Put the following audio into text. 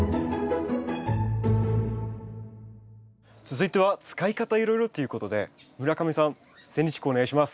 続いては「使い方いろいろ」ということで村上さんセンニチコウお願いします。